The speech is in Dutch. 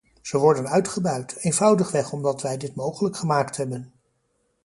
Ze worden uitgebuit, eenvoudigweg omdat wij dit mogelijk gemaakt hebben.